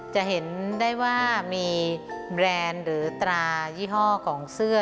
จะเห็นได้ว่ามีแบรนด์หรือตรายี่ห้อของเสื้อ